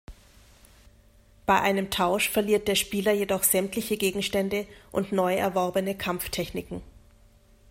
Bei einem Tausch verliert der Spieler jedoch sämtliche Gegenstände und neu erworbene Kampftechniken.